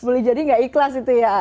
boleh jadi tidak ikhlas